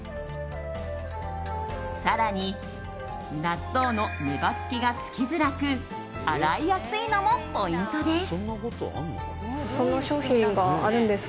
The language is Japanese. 更に、納豆の粘つきがつきづらく洗いやすいのもポイントです。